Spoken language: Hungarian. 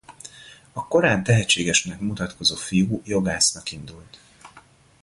A korán tehetségesnek mutatkozó fiú jogásznak indult.